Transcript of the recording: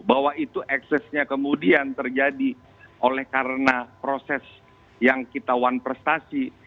bahwa itu eksesnya kemudian terjadi oleh karena proses yang kita wan prestasi